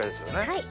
はい。